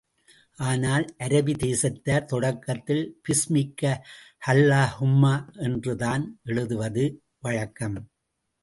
ஆனால், அரபி தேசத்தார் தொடக்கத்தில், பிஸ்மிக்க அல்லாஹூம்ம என்றுதான் எழுதுவது வழக்கம்.